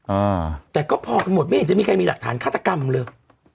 อ่าแต่ก็พอกันหมดไม่เห็นจะมีใครมีหลักฐานฆาตกรรมเลย